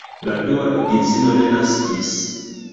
La dua edzino ne naskis.